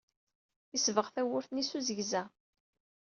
Yesbeɣ tawwurt-nni s uzegza.